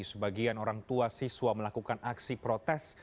sebagian orang tua siswa melakukan aksi protes